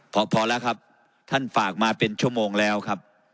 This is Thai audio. พอพอแล้วครับท่านฝากมาเป็นชั่วโมงแล้วครับ